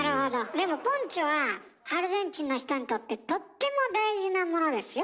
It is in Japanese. でもポンチョはアルゼンチンの人にとってとっても大事なものですよ？